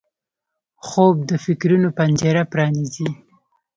خوب د فکرونو پنجره پرانیزي